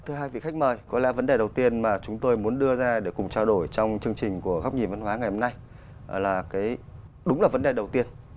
thưa hai vị khách mời có lẽ vấn đề đầu tiên mà chúng tôi muốn đưa ra để cùng trao đổi trong chương trình của góc nhìn văn hóa ngày hôm nay là đúng là vấn đề đầu tiên